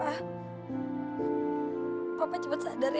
anggoda pertengah asi